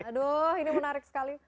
aduh ini menarik sekali